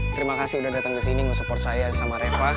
terima kasih udah datang kesini nge support saya sama reva